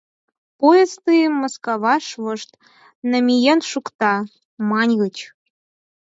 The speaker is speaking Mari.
— Поезд тыйым Маскаваш вошт намиен шукта, — маньыч».